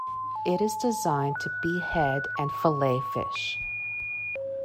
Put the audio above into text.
It is designed to behead and fillet fish.